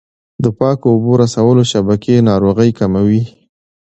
د پاکو اوبو رسولو شبکې ناروغۍ کموي.